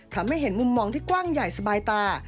ทำให้เห็นมุมมองที่กว้างใหญ่สบายตา